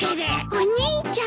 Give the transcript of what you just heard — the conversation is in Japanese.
お兄ちゃん。